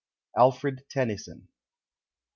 Alfred Tennyson.